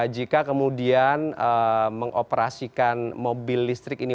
jika kemudian mengoperasikan mobil listrik ini